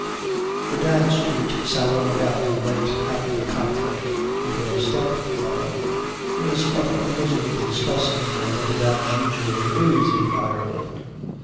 The dance to which Sarah M'Gowan went after the conflict with her step mother, was but a miserable specimen of what a dance usually is in Ireland.